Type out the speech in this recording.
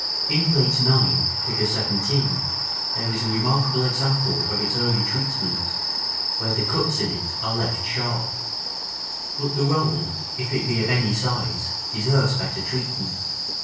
In Plate IX., Fig. 17, there is a remarkable example of its early treatment, where the cuts in it are left sharp. § IV. But the roll, if it be of any size, deserves better treatment.